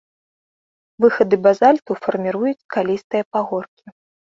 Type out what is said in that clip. Выхады базальту фарміруюць скалістыя пагоркі.